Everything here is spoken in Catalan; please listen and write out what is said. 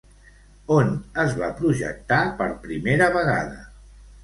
On es va projectar per primera vegada?